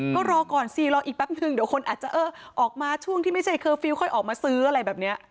ก็รอก่อนสิรออีกแป๊บนึงเดี๋ยวคนอาจจะเออออกมาช่วงที่ไม่ใช่เคอร์ฟิลล์ค่อยออกมาซื้ออะไรแบบนี้